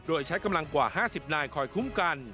โดยใช้กำลังกว่า๕๐นายคอยคุ้มกัน